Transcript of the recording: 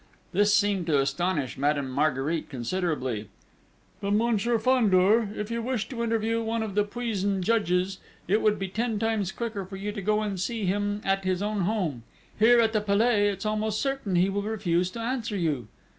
This seemed to astonish Madame Marguerite considerably: "But, Monsieur Fandor, if you wish to interview one of the puisne judges, it would be ten times quicker for you to go and see him at his own home: here, at the Palais, it's almost certain he will refuse to answer you...."